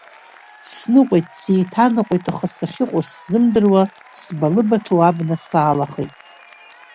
Сныҟәеит, сеиҭаныҟәеит, аха сахьыҟоу сзымдыруа, сбалыбаҭо абна саалахеит.